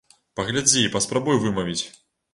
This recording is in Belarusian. Паглядзі і паспрабуй вымавіць!